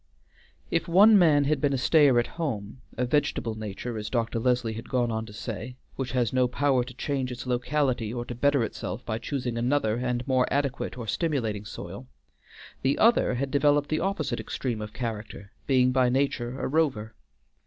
If one man had been a stayer at home; a vegetable nature, as Dr. Leslie had gone on to say, which has no power to change its locality or to better itself by choosing another and more adequate or stimulating soil; the other had developed the opposite extreme of character, being by nature a rover.